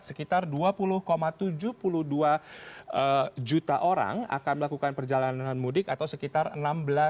sekitar dua puluh tujuh puluh dua juta orang akan melakukan perjalanan mudik atau sekitar enam belas